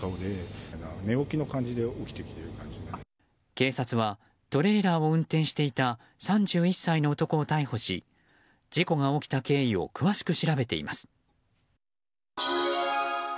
警察は、トレーラーを運転していた３１歳の男を逮捕し事故が起きた経緯を詳しく調べています。